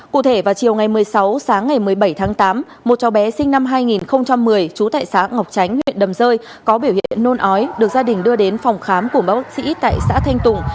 cụ thể vào chiều ngày một mươi sáu sáng ngày một mươi bảy tháng tám một cháu bé sinh năm hai nghìn một mươi trú tại xã ngọc chánh huyện đầm rơi có biểu hiện nôn ói được gia đình đưa đến phòng khám của bác sĩ tại xã thanh tùng